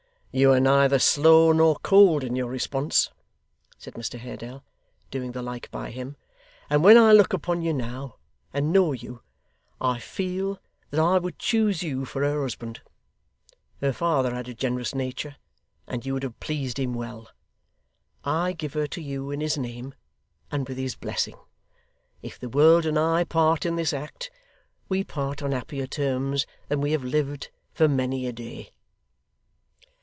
'You are neither slow nor cold in your response,' said Mr Haredale, doing the like by him, 'and when I look upon you now, and know you, I feel that I would choose you for her husband. Her father had a generous nature, and you would have pleased him well. I give her to you in his name, and with his blessing. If the world and I part in this act, we part on happier terms than we have lived for many a day.